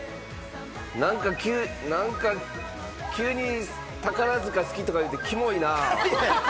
なんか急に、宝塚好きとか言って、キモいな。